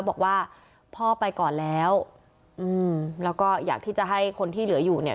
บอกว่าพ่อไปก่อนแล้วอืมแล้วก็อยากที่จะให้คนที่เหลืออยู่เนี่ย